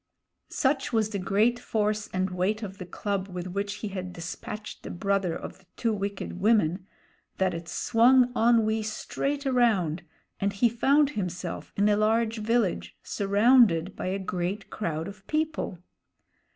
Such was the great force and weight of the club with which he had despatched the brother of the two wicked women that it swung Onwee straight around, and he found himself in a large village, surrounded by a great crowd of people.